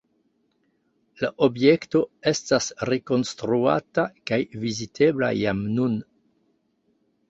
La objekto estas rekonstruata kaj vizitebla jam nun.